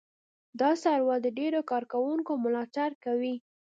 دا سرور د ډېرو کاروونکو ملاتړ کوي.